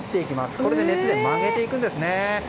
これで熱で曲げていくんですね。